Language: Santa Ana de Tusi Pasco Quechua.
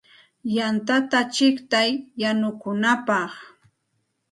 Yantata chiqtay yanukunapaq.